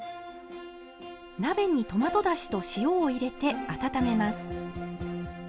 鍋にトマトだしと塩を入れて温めます。